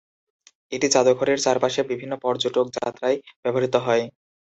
এটি জাদুঘরের চারপাশে বিভিন্ন পর্যটক যাত্রায় ব্যবহৃত হয়।